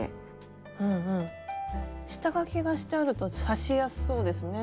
下書きがしてあると刺しやすそうですね。